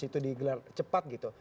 itu digelar cepat gitu